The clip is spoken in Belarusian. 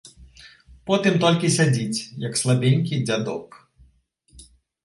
Потым толькі сядзіць, як слабенькі дзядок.